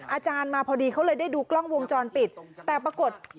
อาจารย์มาพอดีเขาเลยได้ดูกล้องวงจรปิดแต่ปรากฏ